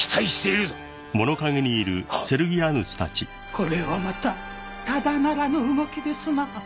これはまたただならぬ動きですな